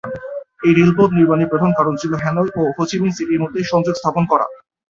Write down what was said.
এই রেলপথ নির্মাণের প্রধান কারণ ছিল হ্যানয় ও হো চি মিন সিটি এর মধ্যে সংযোগ স্থাপনের জন্য।